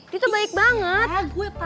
dia tuh baik banget